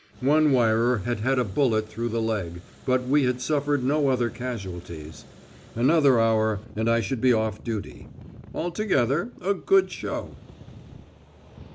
One wirer had had a bullet through the leg, but we had suffered no other casualties. Another hour, and I should be off duty. Altogether, a good show.